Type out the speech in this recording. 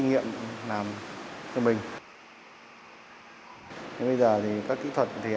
nói chuyện lúc nào rồi